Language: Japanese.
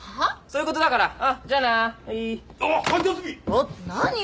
ちょっと何よ！？